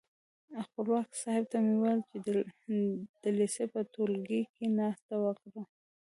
خپلواک صاحب ته مې وویل چې د لېسې په ټولګي کې ناسته وکړو.